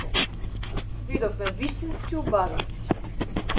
Видовме вистински убавици.